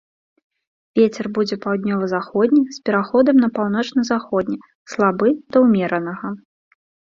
Вецер будзе паўднёва-заходні з пераходам на паўночна-заходні, слабы да ўмеранага.